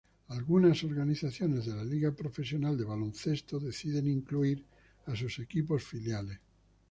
Algunas organizaciones de la Liga Profesional de Baloncesto deciden incluir a sus equipos filiales.